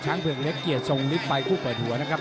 เผือกเล็กเกียรติทรงฤทธิไปคู่เปิดหัวนะครับ